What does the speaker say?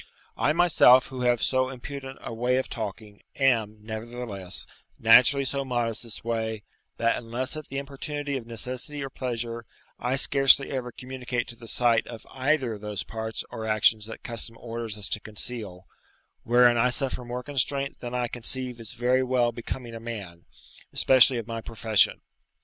I myself, who have so impudent a way of talking, am, nevertheless, naturally so modest this way, that unless at the importunity of necessity or pleasure, I scarcely ever communicate to the sight of any either those parts or actions that custom orders us to conceal, wherein I suffer more constraint than I conceive is very well becoming a man, especially of my profession.